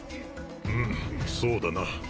うむそうだな。